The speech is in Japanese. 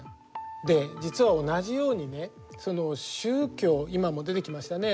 実は同じようにね宗教今も出てきましたね。